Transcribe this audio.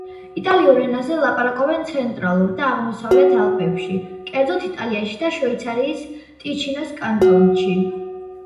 იტალიურ ენაზე ლაპარაკობენ ცენტრალურ და აღმოსავლეთ ალპებში, კერძოდ, იტალიაში და შვეიცარიის ტიჩინოს კანტონში.